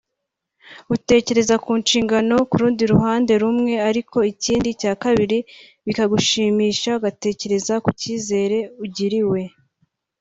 utekereza ku nshingano ku ruhande rumwe ariko ikindi cya kabiri bikagushimisha ugatekereza ku cyizere ugiriwe